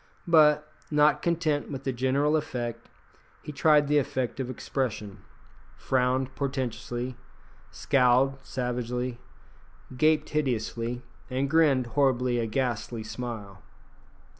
But, not content with the general effect, he tried the effect of expression frowned portentously, scowled savagely, gaped hideously, and grinned horribly a ghastly smile.